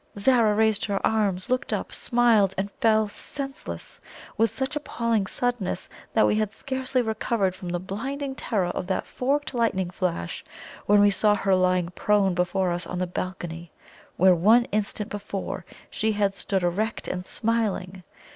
Zara raised her arms, looked up, smiled, and fell senseless! With such appalling suddenness that we had scarcely recovered from the blinding terror of that forked lightning flash, when we saw her lying prone before us on the balcony where one instant before she had stood erect and smiling!